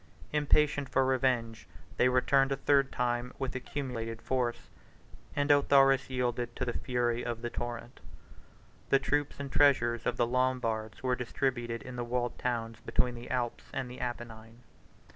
Impatient for revenge, they returned a third time with accumulated force, and Autharis yielded to the fury of the torrent. The troops and treasures of the Lombards were distributed in the walled towns between the Alps and the Apennine.